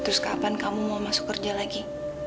terus kapan kamu mau masuk kerja lagi